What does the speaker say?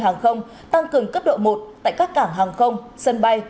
hàng không tăng cường cấp độ một tại các cảng hàng không sân bay